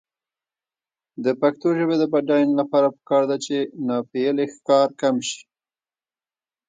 د پښتو ژبې د بډاینې لپاره پکار ده چې ناپییلي ښکار کم شي.